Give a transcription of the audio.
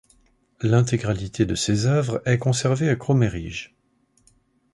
L'intégralité de ses œuvres est conservée à Kromeríž.